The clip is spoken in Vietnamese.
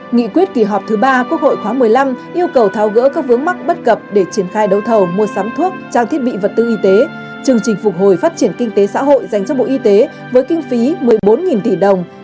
nghị quyết kỳ họp thứ ba quốc hội khóa một mươi năm yêu cầu tháo gỡ các vướng mắc bất cập để triển khai đấu thầu mua sắm thuốc trang thiết bị vật tư y tế chương trình phục hồi phát triển kinh tế xã hội dành cho bộ y tế với kinh phí một mươi bốn tỷ đồng